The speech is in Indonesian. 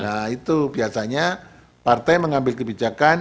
nah itu biasanya partai mengambil kebijakan